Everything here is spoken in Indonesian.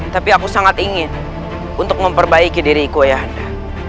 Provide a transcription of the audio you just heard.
tapi aku sangat ingin untuk memperbaiki diriku ayahanda